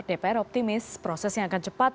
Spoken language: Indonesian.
dpr optimis proses yang akan cepat